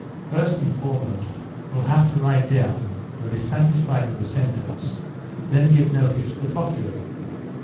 "First and foremost, you'll have to write down you're dissatisfied with the sentence, then give notice to the Procureur."